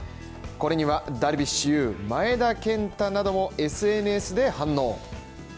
これにはダルビッシュ有、前田健太などもＳＮＳで反応。